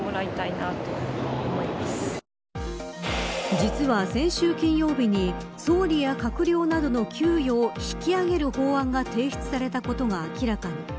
実は、先週金曜日に総理や閣僚などの給与を引き上げる法案が提出されたことが明らかに。